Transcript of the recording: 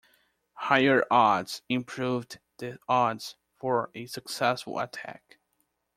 Higher odds improved the odds for a successful attack.